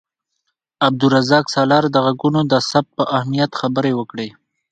عبدالرزاق سالار د غږونو د ثبت پر اهمیت خبرې وکړې.